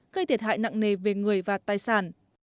gây thiệt hại nặng nề về người và tài sản